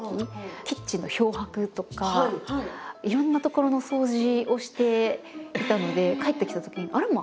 キッチンの漂白とかいろんな所の掃除をしていたので帰ってきたときに「あらま！」